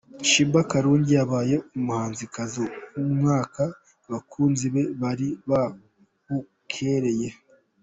Sheebah Karungi yabaye umuhanzikazi w'umwaka, abakunzi be bari babukereye.